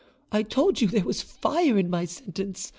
I told you there was fire in my sentence.